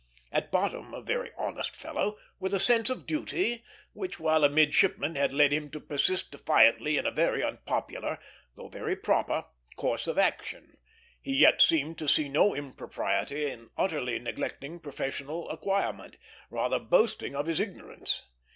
At bottom a very honest fellow, with a sense of duty which while a midshipman had led him to persist defiantly in a very unpopular though very proper course of action, he yet seemed to see no impropriety in utterly neglecting professional acquirement, rather boasting of his ignorance.